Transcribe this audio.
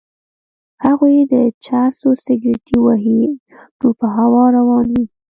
هغوی د چرسو سګرټی ووهي نو په هوا روان وي.